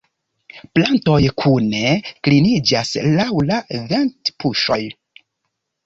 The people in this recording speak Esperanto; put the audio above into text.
Plantoj kune kliniĝas laŭ la ventpuŝoj.